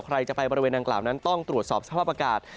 ใครจะไปบริเวณดังกล่าวนั้นต้องตรวจสอบสภาพอากาศ